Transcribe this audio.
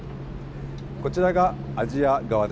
こちらがアジア側です。